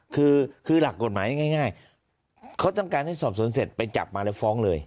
คือหลักกฎหมายง่ายเขาต้องการให้สอบสวนเสร็จไปจับมาแล้วฟ้องเลย